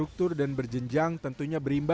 ketika menang kemudian menang